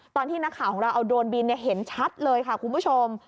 ตอนที่นักข่าวของเราเอาโดรนบินเห็นชัดเลยค่ะคุณผู้ชม